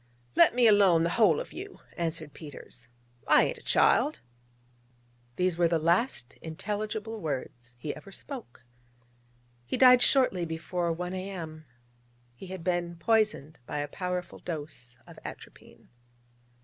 'Let me alone, the whole of you,' answered Peters: 'I ain't a child.' These were the last intelligible words he ever spoke. He died shortly before 1 A.M. He had been poisoned by a powerful dose of atropine.